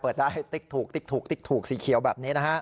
เปิดได้ติ๊กถูกสีเขียวแบบนี้นะครับ